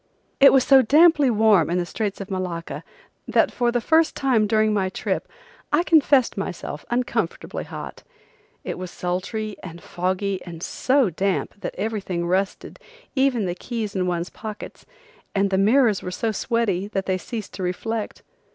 It was so damply warm in the Straits of Malacca that for time first time during my trip I confessed myself uncomfortably hot. It was sultry and foggy and so damp that everything rusted, even the keys in one's pockets, and the mirrors were so sweaty that they ceased to reflect.